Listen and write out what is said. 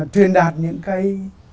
truyền đạt những cái